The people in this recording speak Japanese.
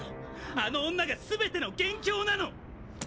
あの女が全ての元凶なの！！